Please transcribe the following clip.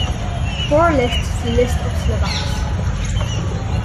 For a list see List of Slovaks.